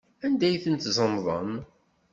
Anda ay tent-tzemḍem?